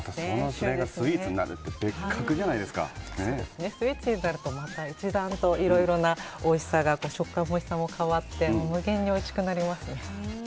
スイーツになるとまた一段と、いろいろな食感もおいしさも変わって無限においしくなりますね。